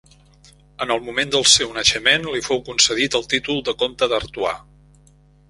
En el moment del seu naixement, li fou concedit el títol de comte d'Artois.